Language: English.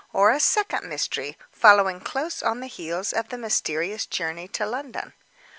Or a second mystery, following close on the heels of the mysterious journey to London?